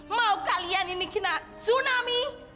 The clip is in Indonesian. mau kalian ini kena tsunami